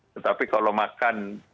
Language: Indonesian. tetapi kalau makan